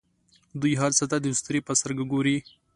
دوی هر څه ته د اسطورې په سترګه ګوري.